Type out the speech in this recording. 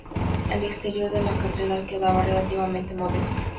El exterior de la catedral quedaba relativamente modesto.